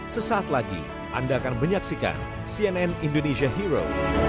sesaat lagi anda akan menyaksikan cnn indonesia hero